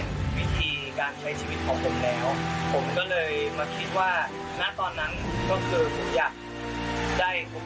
นั่นก็คือมีชีวิตให้ได้อยู่กับครอบครัวผมได้มากที่สุด